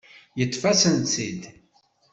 Yeṭṭef-asent-tt-id.